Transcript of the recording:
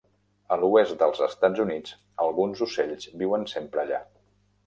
A l'oest dels Estats Units, alguns ocells viuen sempre allà.